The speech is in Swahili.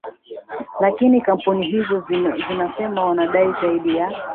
lakini kampuni hizo zinasema wanadai zaidi ya